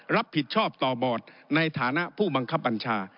รับผิดชอบต่อบอร์ดในฐานะผู้บังคับบัญชา